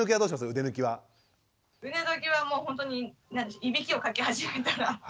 腕抜きはもうほんとにいびきをかき始めたら。